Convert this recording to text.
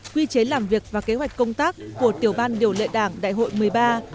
quy chế làm việc và kế hoạch công tác của tiểu ban điều lệ đảng đại hội một mươi ba